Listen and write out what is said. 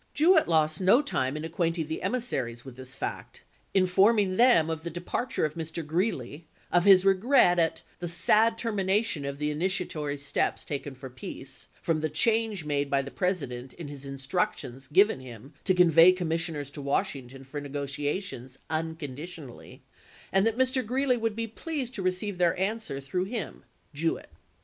Jewett lost no time in acquainting the emissaries with this fact, informing them of the departure of Mr. Greeley, of his regret at " the sad termination of the initiatory steps taken for peace, from the change made by the President in his instructions given him to convey commissioners to Washington for ne gotiations, unconditionally," and that Mr. Greeley would be pleased to receive their answer through him (Jewett).